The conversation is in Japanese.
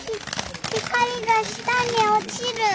光が下に落ちる！